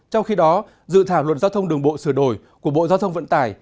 trong khi đó dự thảo luật giao thông đường bộ sửa đổi của bộ giao thông vận tải